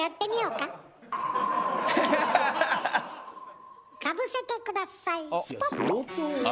かぶせてくださいスポッ！